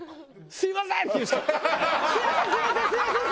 すみません！」。